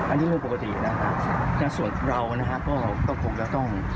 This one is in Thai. อันนี้ก็ปกตินะฮะแต่ส่วนเรานะฮะก็ก็คงก็ต้อง